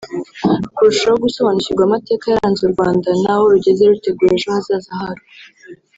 kurushaho gusobanukirwa amateka yaranze u Rwanda n’aho rugeze rutegura ejo hazaza harwo